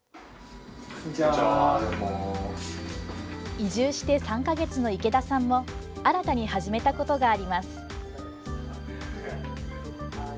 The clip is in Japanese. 移住して３か月の池田さんも新たに始めたことがあります。